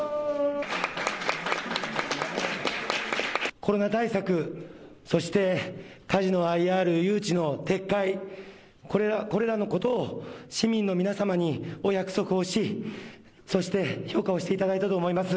コロナ対策そしてカジノＩＲ誘致の撤回これらのことを市民の皆さまにお約束をしそして、評価をしていただいたと思います。